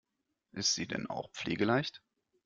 Ist sie denn auch pflegeleicht?